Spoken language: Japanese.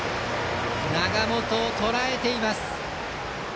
永本をとらえています。